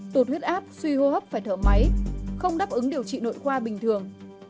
tụt huyết áp suy hô hấp phải thở máy không đáp ứng điều trị nội khoa bình thường